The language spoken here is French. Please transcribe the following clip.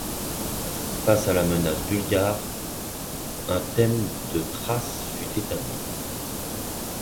Face à la menace bulgare, un thème de Thrace fut établi.